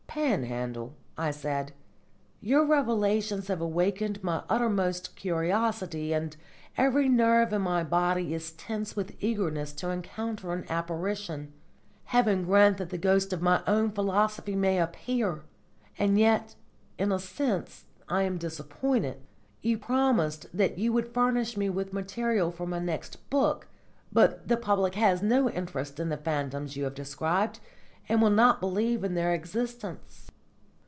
"Panhandle," I said, "your revelations have awakened my uttermost curiosity, and every nerve in my body is tense with eagerness to encounter an apparition. Heaven grant that the ghost of my own philosophy may appear! And yet, in a sense, I am disappointed. You promised that you would furnish me with material for my next book. But the public has no interest in the phantoms you have described, and will not believe in their existence."